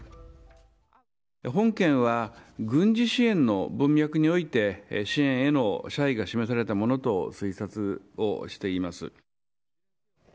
本件は、軍事支援の文脈において、支援への謝意が示されたものと推察をしています。